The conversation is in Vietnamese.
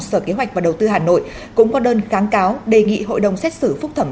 sở kế hoạch và đầu tư hà nội cũng có đơn kháng cáo đề nghị hội đồng xét xử phúc thẩm